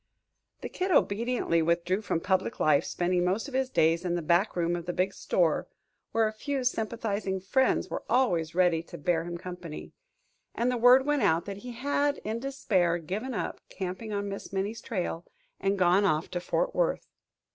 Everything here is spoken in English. The Kid obediently withdrew from public life, spending most of his days in the back room of the big store, where a few sympathizing friends were always ready to bear him company; and the word went out that he had, in despair, given up camping on Miss Minnie's trail and gone off to Fort Worth.